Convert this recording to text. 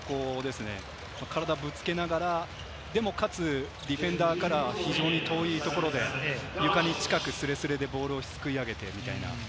体をぶつけながら、でも、ディフェンダーからは遠いところで、床に近く、すれすれでボールをすくい上げて。